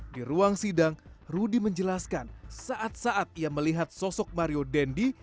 di ruang sidang rudy menjelaskan saat saat ia melihat sosok mario dendi